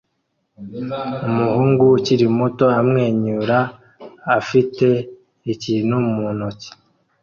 Umuhungu ukiri muto amwenyura afite ikintu mu ntoki